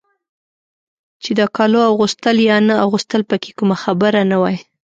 چې د کالو اغوستل یا نه اغوستل پکې کومه خبره نه وای.